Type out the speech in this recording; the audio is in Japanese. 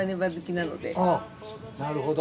なるほど。